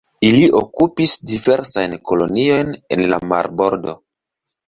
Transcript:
Ili okupis diversajn koloniojn en la marbordo.